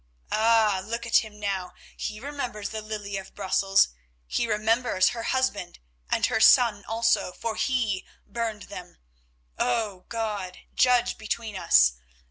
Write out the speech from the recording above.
Ah! look at him now. He remembers the Lily of Brussels. He remembers her husband and her son also, for he burned them. O God, judge between us.